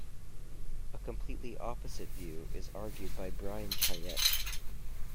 A completely opposite view is argued by Bryan Cheyette.